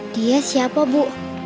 dia siapa bu